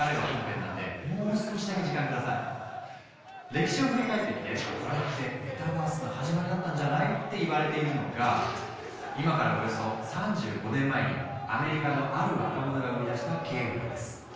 歴史を振り返ってみてこれってメタバースの始まりだったんじゃない？って言われているのが今からおよそ３５年前にアメリカのある若者が生み出したゲームなんです。